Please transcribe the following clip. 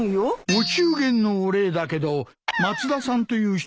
お中元のお礼だけど松田さんという人から。